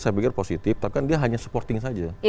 saya pikir positif tapi kan dia hanya supporting saja